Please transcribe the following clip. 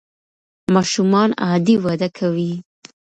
ماشومان عادي وده کوي.